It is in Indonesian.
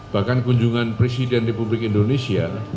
bahkan kunjungan presiden republik indonesia